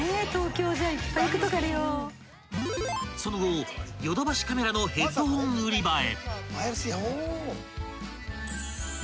［その後ヨドバシカメラのヘッドホン売り場へ］